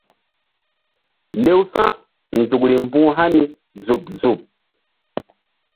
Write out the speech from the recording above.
Lew sa̧nzukri mbu̧h hani zuɓ zuɓ.